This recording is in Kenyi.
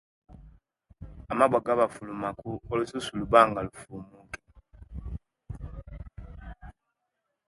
Amabwa gabafulumaku olususu luba nga lufumuki